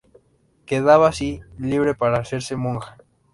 Quedaba así libre para hacerse monja.